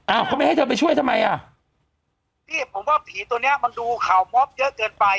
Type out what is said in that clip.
เขาไม่ให้เธอไปช่วยทำไมอ่ะพี่ผมว่าผีตัวเนี้ยมันดูข่าวมอบเยอะเกินไป